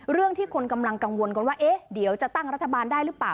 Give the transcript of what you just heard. เรื่องที่คนกำลังกังวลกันว่าเอ๊ะเดี๋ยวจะตั้งรัฐบาลได้หรือเปล่า